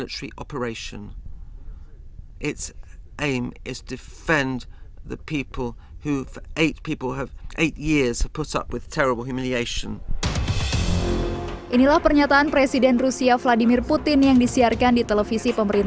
delapan tahun telah menyebabkan humilitas yang terlalu teruk